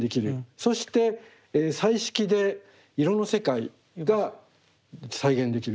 そして彩色で色の世界が再現できる。